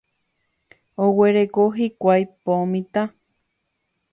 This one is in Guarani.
Oguereko hikuái po mitã.